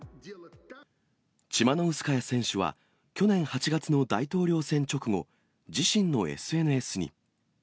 チマノウスカヤ選手は、去年８月の大統領選直後、自身のＳＮＳに。